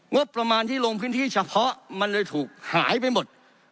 งบประมาณที่ลงพื้นที่เฉพาะมันเลยถูกหายไปหมด